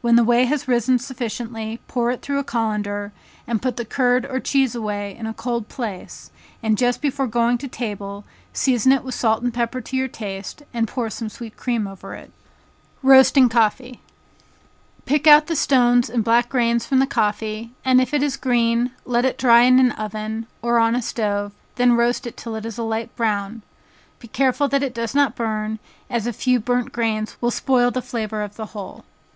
When the whey has risen sufficiently, pour it through a colander, and put the curd or cheese away in a cold place, and just before going to table, season it with salt and pepper to your taste, and pour some sweet cream over it. Roasting Coffee. Pick out the stones and black grains from the coffee, and if it is green, let it dry in an oven, or on a stove, then roast it till it is a light brown, be careful that it does not burn, as a few burnt grains will spoil the flavor of the whole.